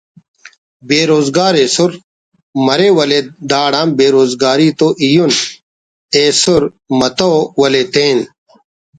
بے روز گاری ایسر مرے ولے داڑان بے روزگاری تو ایہن ایسر متو ولے تین